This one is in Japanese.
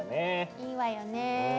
いいわよね。